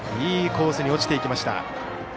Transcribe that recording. いいコースに落ちていきました。